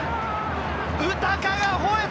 ウタカが吠えた！